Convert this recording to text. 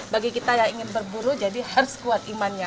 bagi kita yang ingin berburu jadi harus kuat imannya